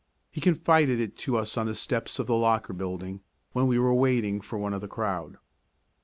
He confided it to us on the steps of the Locker Building when we were waiting for one of the crowd.